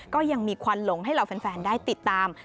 ก็ยังมีควันหลงให้เหล่าแฟนได้ติดตาม